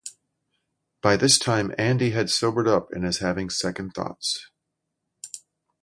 By this time Andy has sobered up and is having second thoughts.